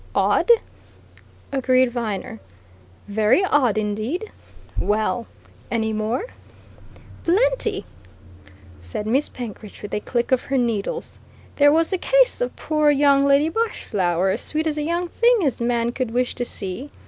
"Odd!" agreed Viner. "Very odd, indeed. Well any more?" "Plenty!" said Miss Penkridge, with a click of her needles. "There was the case of poor young Lady Marshflower as sweet a young thing as man could wish to see!